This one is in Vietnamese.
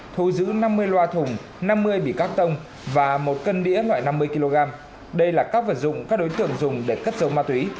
thu giữ năm mươi loa thùng năm mươi bỉ cắt tông và một cân đĩa loại năm mươi kg đây là các vật dụng các đối tượng dùng để cất dấu ma túy